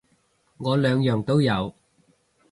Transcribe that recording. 我兩樣都有